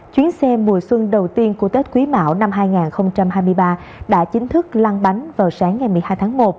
chuyến xe mùa xuân đầu tiên của tết quý mão năm hai nghìn hai mươi ba đã chính thức lan bánh vào sáng ngày một mươi hai tháng một